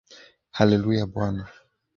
Hallelujah, Bwana